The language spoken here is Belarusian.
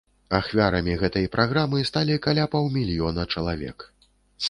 Ахвярамі гэтай праграмы сталі каля паўмільёна чалавек.